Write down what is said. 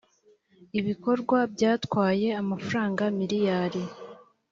ibikorwa byatwaye amafaranga miliyari